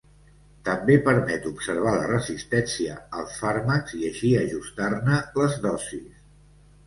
També permet observar la resistència als fàrmacs i així ajustar-ne les dosis.